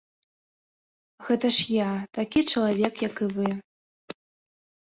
Гэта ж я, такі чалавек, як і вы.